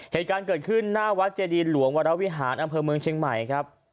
เหตุการณ์เกิดขึ้นหน้าวัดเจดีหลวงวรวิหารอำเภอเมืองเชียงใหม่ครับ